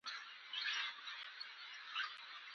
مختلف النوع چارجونه یو بل جذبوي.